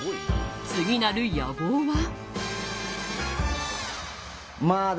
次なる野望は。